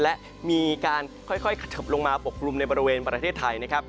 และมีการค่อยเขยิบลงมาปกกลุ่มในบริเวณประเทศไทยนะครับ